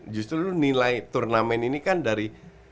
justru nilai turnamen ini kan dari